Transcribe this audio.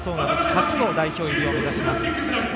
初の代表入りを目指します。